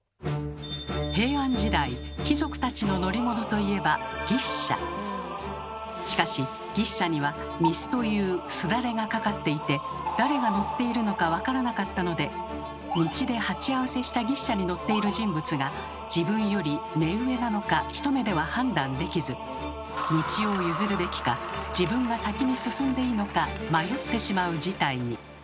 平安時代貴族たちの乗り物といえばしかし牛車には御簾というすだれがかかっていて道で鉢合わせした牛車に乗っている人物が自分より目上なのか一目では判断できず道を譲るべきか自分が先に進んでいいのか迷ってしまう事態に。